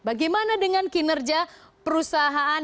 bagaimana dengan kinerja perusahaan